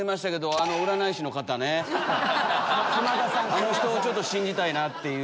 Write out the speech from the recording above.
あの人を信じたいなっていう。